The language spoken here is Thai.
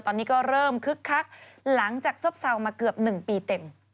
ตอนนี้ก็เริ่มคึกคักหลังจากซบเซามาเกือบ๑ปีเต็ม